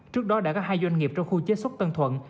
trước đó đã có hai doanh nghiệp trong khu chế xuất tân thuận